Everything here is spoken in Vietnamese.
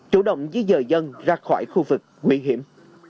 chủ động di dời dân ra khỏi khu vực nguy hiểm